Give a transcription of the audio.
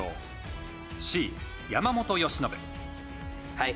はい。